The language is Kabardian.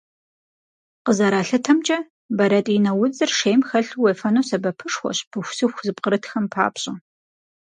Къызэралъытэмкӏэ, бэрэтӏинэ удзыр шейм хэлъу уефэну сэбэпышхуэщ пыхусыху зыпкърытхэм папщӏэ.